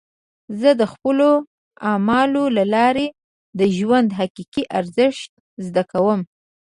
زه د خپلو اعمالو له لارې د ژوند حقیقي ارزښت زده کوم.